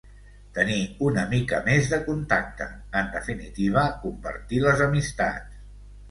Tenir una mica més de contacte, en definitiva, compartir les amistats.